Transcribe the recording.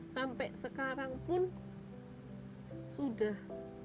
sampai sekarang pun sudah